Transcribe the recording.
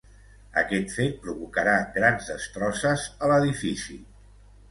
Aquest fet provocarà grans destrosses a l'edifici.